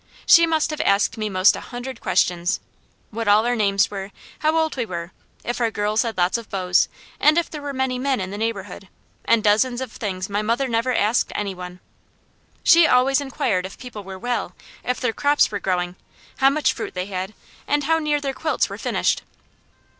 She must have asked me most a hundred questions. What all our names were, how old we were, if our girls had lots of beaus, and if there were many men in the neighbourhood, and dozens of things my mother never asked any one. She always inquired if people were well, if their crops were growing, how much fruit they had, and how near their quilts were finished.